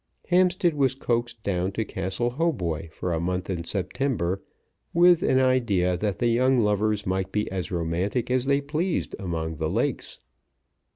Hampstead was coaxed down to Castle Hautboy for a month in September, with an idea that the young lovers might be as romantic as they pleased among the Lakes.